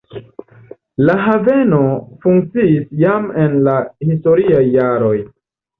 La haveno funkciis jam en la historiaj jaroj.